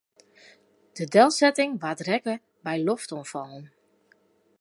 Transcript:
De delsetting waard rekke by loftoanfallen.